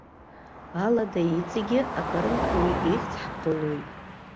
Алада иҵегьы акырынтә уи ихьӡ ҳԥылоит.